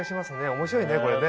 面白いねこれね。